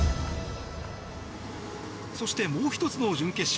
そして、もう１つの準決勝